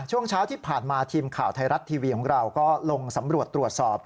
ช่วงเช้าที่ผ่านมาทีมข่าวไทยรัฐทีวีของเราก็ลงสำรวจตรวจสอบ